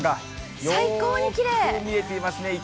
よーく見えていますね。